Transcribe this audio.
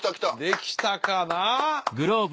できたかな？